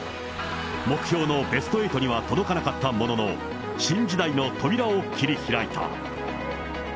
目標のベスト８には届かなかったものの、新時代の扉を切り開いた。